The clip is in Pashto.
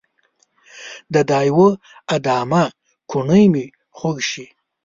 د دا يوه ادامه کوڼۍ مې خوږ شي